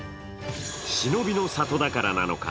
忍びの里だからなのか